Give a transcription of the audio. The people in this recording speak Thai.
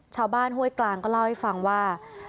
ชาวบ้านห้วยกลางก็เล่าให้ฟังว่า